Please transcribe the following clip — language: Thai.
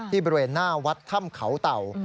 บริเวณหน้าวัดถ้ำเขาเต่า